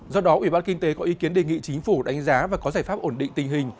do đó ubk có ý kiến đề nghị chính phủ đánh giá và có giải pháp ổn định tình hình